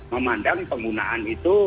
memandang penggunaan itu